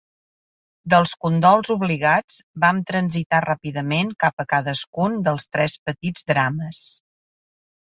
Dels condols obligats vam transitar ràpidament cap a cadascun dels tres petits drames.